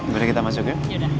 boleh kita masuk ya